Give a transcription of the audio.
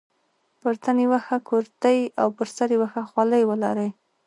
پر تن یوه ښه کورتۍ او پر سر یوه ښه خولۍ ولري.